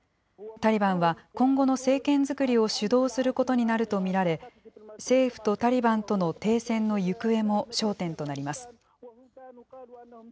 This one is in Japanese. タリバンは、今後の政権作りを主導することになると見られ、政府とタリバンとの停戦の行方も焦点となります。